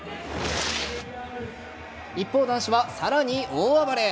一方、男子はさらに大暴れ。